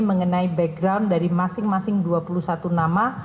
mengenai background dari masing masing dua puluh satu nama